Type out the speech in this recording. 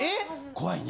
怖いね。